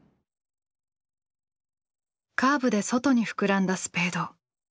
カーブで外に膨らんだスペード。